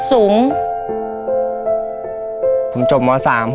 ตอนสรุปมาเกิดถึงลุมที่บ้าโยง